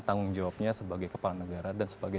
tanggung jawabnya sebagai kepala negara dan sebagai